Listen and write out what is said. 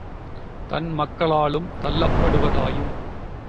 தன் மக்களாலும் தள்ளப்படுவதாயும்